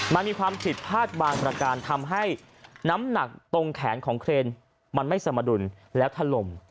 มันมีความผิดพลาดบางประการทำให้น้ำหนักตรงแขนของเครนมันไม่สมดุลแล้วถล่ม